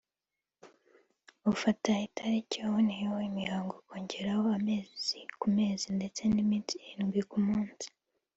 Ufata italiki waboneyeho imihango ukongeraho amezi ku mezi ndetse n’iminsi irindwi ku minsi